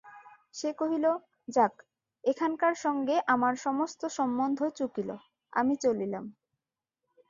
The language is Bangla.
সে কহিল–যাক, এখানকার সঙ্গে আমার সমস্ত সম্বন্ধ চুকিল, আমি চলিলাম।